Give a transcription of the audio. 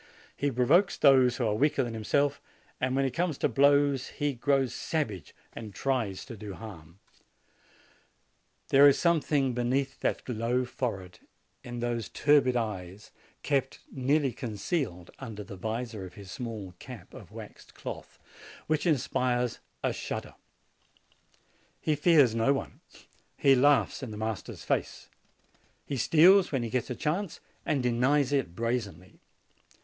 He provokes those who are weaker than himself, and when it come to blows, he grows savage and tries to do harm. 96 JANUARY There is something beneath that low forehead, in those turbid eyes, kept nearly concealed under the visor of his small cap of waxed cloth, which inspires a shudder. He fears no one. He laughs in the master's face. He steals when he gets a chance and denies it brazenly.